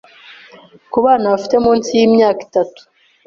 ku bana bafite munsi y’imyaka itatu